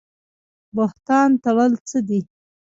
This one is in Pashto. بهتان تړل څه دي؟